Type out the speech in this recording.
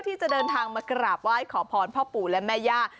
ที่จะเดินทางมากราบไหว้ขอพรพ่อปู่และแม่ย่า